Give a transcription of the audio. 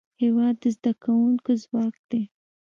هېواد د زدهکوونکو ځواک دی.